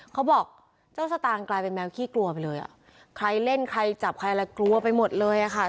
เขาบอกเจ้าสตางค์กลายเป็นแมวขี้กลัวไปเลยอ่ะใครเล่นใครจับใครอะไรกลัวไปหมดเลยอะค่ะ